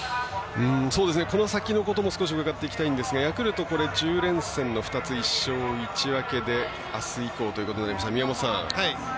この先のことも少し伺っていきたいんですがヤクルト、１０連戦の２つ１勝１分であす以降ということになりました。